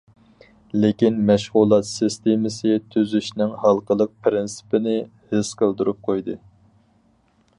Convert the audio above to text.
لېكىن مەشغۇلات سىستېمىسى تۈزۈشنىڭ ھالقىلىق پىرىنسىپىنى ھېس قىلدۇرۇپ قويدى.